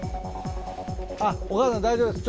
あっお母さん大丈夫です